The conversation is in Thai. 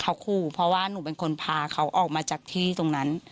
เขาขู่เพราะว่าหนูเป็นคนพาเขาออกมาจากที่ตรงนั้น